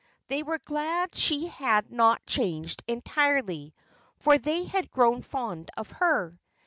They were glad she had not changed entirely, for they had grown fond of her.